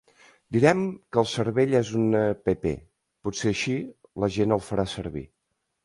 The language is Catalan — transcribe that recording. Direm que el cervell és una app; potser així la gent el farà servir...